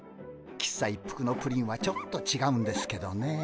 喫茶一服のプリンはちょっとちがうんですけどねえ。